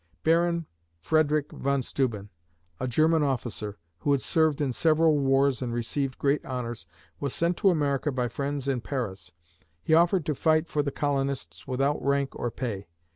Baron Frederick von Steuben, a German officer, who had served in several wars and received great honors, was sent to America by friends in Paris. He offered to fight for the colonists without rank or pay.